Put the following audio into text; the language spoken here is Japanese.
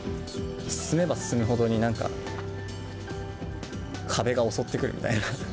進めば進むほどになんか、壁が襲ってくるみたいな。